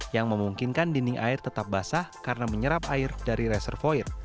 yang memungkinkan dinding air tetap basah karena menyerap air dari reservoir